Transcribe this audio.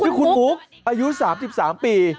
ชื่อคุณกุ๊กคือคุณกุ๊กอายุ๓๓ปี